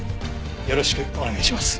よろしくお願いします。